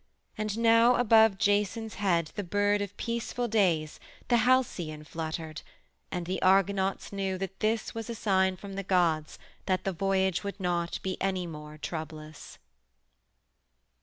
And now above Jason's head the bird of peaceful days, the Halcyon, fluttered, and the Argonauts knew that this was a sign from the gods that the voyage would not any more be troublous.